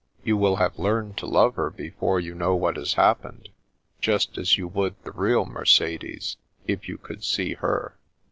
" You will have learned to love her before you know what has happened, just as you would the real Mercedes, if you could see her."